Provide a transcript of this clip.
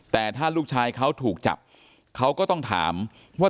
แต่ถ้าลูกชายเขาถูกจับเขาก็ต้องถามว่า